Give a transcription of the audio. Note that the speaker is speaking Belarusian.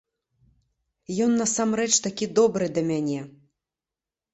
Ён насамрэч такі добры да мяне!